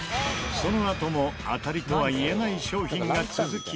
そのあとも当たりとは言えない商品が続き。